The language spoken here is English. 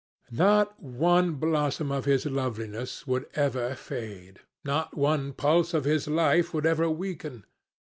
Not one blossom of his loveliness would ever fade. Not one pulse of his life would ever weaken.